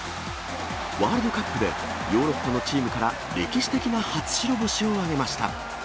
ワールドカップでヨーロッパのチームから歴史的な初白星を挙げました。